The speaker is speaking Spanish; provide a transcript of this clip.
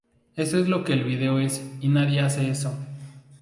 Eso es lo que el video es, y nadie hace eso.